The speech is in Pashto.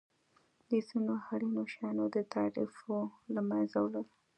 د ځینو اړینو شیانو د تعرفو له مینځه وړل.